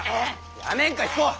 やめんか彦。